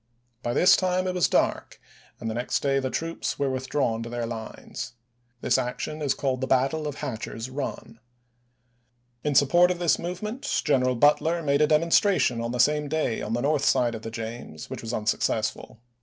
By this time it was dark, and the next day the troops were withdrawn to their lines. This action is called the battle of Hatcher's Run. In support of this movement General Butler made a demonstration on the same day on the north side of the James which was unsuccessful.